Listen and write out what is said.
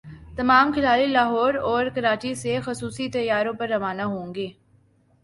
تمام کھلاڑی لاہور اور کراچی سے خصوصی طیاروں پر روانہ ہوں گے